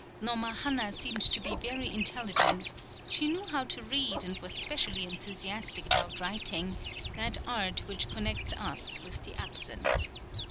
Nomahanna seemed to be very intelligent, she knew how to read and was specially enthusiastic about writing, that art which connects us with the absent.